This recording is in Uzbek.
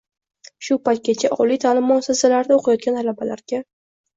Shu paytgacha oliy ta’lim muassasalarida o‘qiyotgan talabalarga